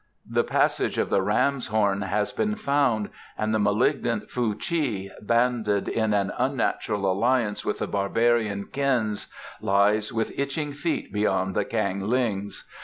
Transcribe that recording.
The passage of the Ram's Horn has been found and the malignant Fuh chi, banded in an unnatural alliance with the barbarian Kins, lies with itching feet beyond the Kang lings.